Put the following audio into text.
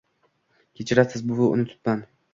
- Kechirasiz, buvi, unutibman.